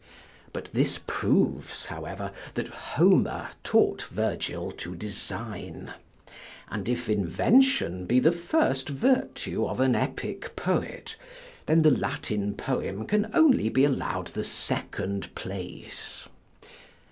But this proves, however, that Homer taught Virgil to design; and if invention be the first virtue of an epic poet, then the Latin poem can only be allow'd the second place.